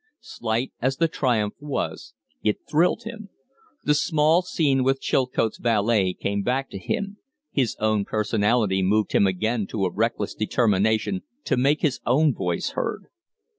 Slight as the triumph was, it thrilled him. The small scene with Chilcote's valet came back to him; his own personality moved him again to a reckless determination to make his own voice heard.